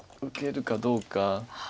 受けるかどうか。